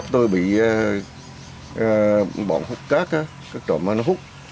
tôi bị bọn hút cát các trồng nó hút